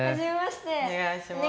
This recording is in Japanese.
おねがいします。